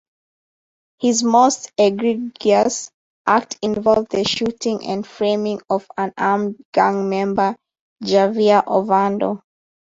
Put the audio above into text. His most egregious act involved the shooting-and framing-of unarmed gang member Javier Ovando.